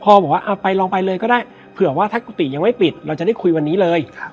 บอกว่าเอาไปลองไปเลยก็ได้เผื่อว่าถ้ากุฏิยังไม่ปิดเราจะได้คุยวันนี้เลย